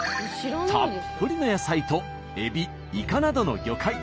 たっぷりの野菜とエビイカなどの魚介。